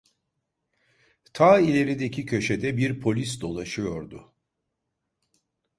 Ta ilerideki köşede bir polis dolaşıyordu.